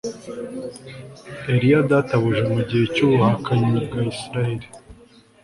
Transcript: Eliya databuja Mu gihe cyubuhakanyi bwa Isirayeli